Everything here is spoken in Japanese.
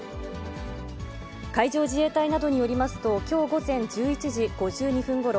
海上自衛隊などによりますと、きょう午前１１時５２分ごろ、